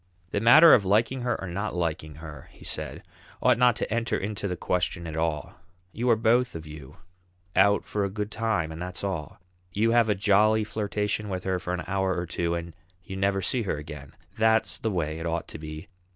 "The matter of liking her or not liking her," he said, "ought not to enter into the question at all. You are both of you out for a good time and that's all; you have a jolly flirtation with her for an hour or two, and you never see her again. That's the way it ought to be!